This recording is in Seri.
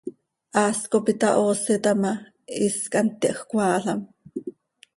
Haas cop itahooseta ma, is quih hant yahjcoaalam.